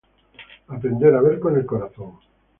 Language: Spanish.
Aprender a ver con el corazón.